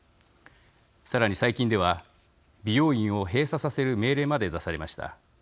さらに最近では美容院を閉鎖させる命令まで出されました。